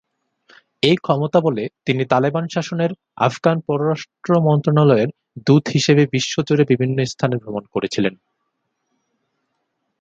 এই ক্ষমতাবলে তিনি তালেবান শাসনের আফগান পররাষ্ট্র মন্ত্রণালয়ের দূত হিসাবে বিশ্বজুড়ে বিভিন্ন স্থানে ভ্রমণ করেছিলেন।